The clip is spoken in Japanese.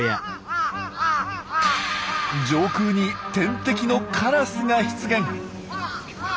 上空に天敵のカラスが出現。